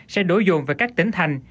sẽ đối dụng với các tỉnh thành